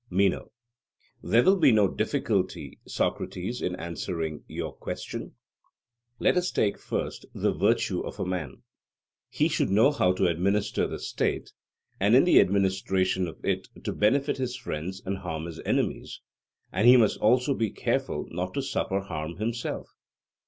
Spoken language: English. MENO: There will be no difficulty, Socrates, in answering your question. Let us take first the virtue of a man he should know how to administer the state, and in the administration of it to benefit his friends and harm his enemies; and he must also be careful not to suffer harm himself.